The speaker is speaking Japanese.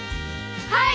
はい！